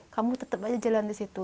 kamu tetap aja jalan di situ